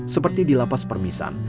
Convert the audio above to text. seperti di lapas permisan